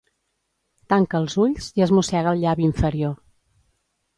Tanca els ulls i es mossega el llavi inferior.